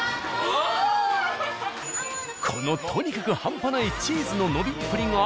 このとにかく半端ないチーズの伸びっぷりが。